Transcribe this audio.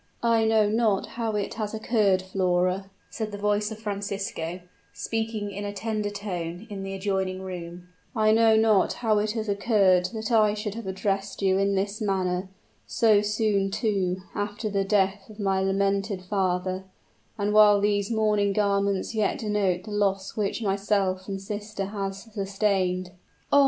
"I know not how it has occurred, Flora," said the voice of Francisco, speaking in a tender tone, in the adjoining room "I know not how it has occurred that I should have addressed you in this manner so soon, too, after the death of my lamented father, and while these mourning garments yet denote the loss which myself and sister have sustained " "Oh!